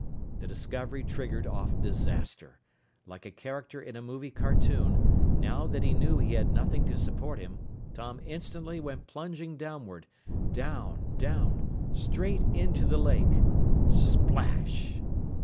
The discovery triggered off disaster. Like a character in a movie cartoon, now that he knew he had nothing to support him, Tom instantly went plunging downward down, down, straight into the lake! _Splash!